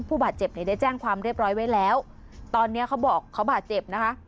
ผู้บาดเจ็บเนี่ยได้แจ้งความเรียบร้อยไว้แล้วตอนเนี้ยเขาบอกเขาบาดเจ็บนะคะ